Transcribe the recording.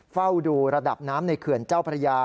เฝ้าดูระดับน้ำในเขื่อนเจ้าพระยา